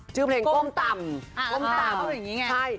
ชื่อเพลงก้มต่ำ